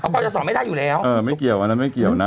ก็จะสอบไม่ได้อยู่แล้วเออไม่เกี่ยวอันนั้นไม่เกี่ยวนะ